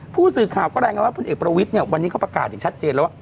ผู้สื่อข่าวก็รายงานว่าพลเอกประวิทย์เนี่ยวันนี้เขาประกาศอย่างชัดเจนแล้วว่า